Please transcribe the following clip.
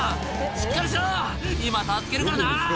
「しっかりしろ今助けるからな！」